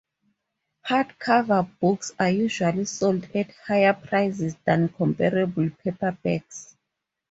Hardcover books are usually sold at higher prices than comparable paperbacks.